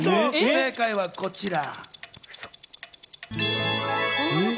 正解はこちら。